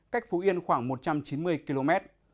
cách phú yên khoảng một trăm chín mươi km